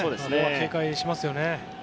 警戒しますよね。